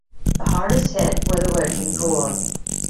The hardest hit were the working poor.